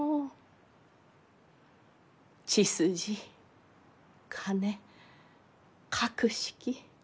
血筋金格式。